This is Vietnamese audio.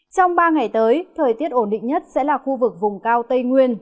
trong ba ngày tới thời tiết ổn định nhất sẽ là khu vực vùng cao tây nguyên